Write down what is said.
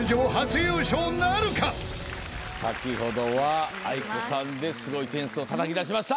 先ほどはａｉｋｏさんですごい点数をたたき出しました。